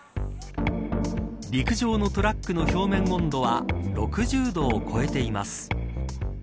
陸上のトラックの表面温度は６０度を超えています。